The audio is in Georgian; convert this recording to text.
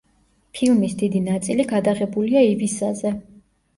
ფილმის დიდი ნაწილი გადაღებულია ივისაზე.